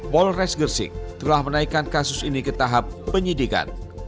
polres gresik telah menaikkan kasus ini ke tahap penyidikan